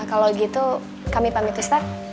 kalau gitu kami pamit ustadz